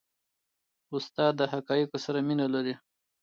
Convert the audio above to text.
استاد د حقایقو سره مینه لري.